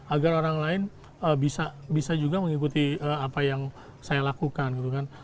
agar orang lain bisa juga mengikuti apa yang saya lakukan gitu kan